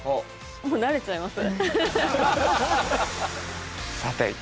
もうなれちゃいます？